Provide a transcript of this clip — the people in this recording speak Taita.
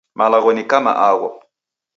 Malagho ni kama agho.